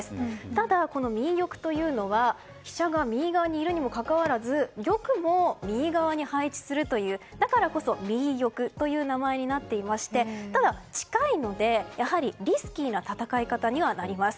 ただ、右玉というのは飛車が右側がいるにもかかわらず玉も右側に配置するというだからこそ右玉という名前になっていましてただ近いのでやはりリスキーな戦い方にはなります。